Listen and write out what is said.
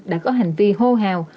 đã có hành vi hô hào